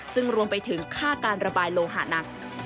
ซึ่งรวมไปถึงค่าการระบายโลหะหนัก